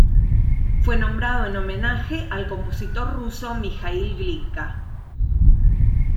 Fue nombrado en homenaje al compositor ruso Mijaíl Glinka.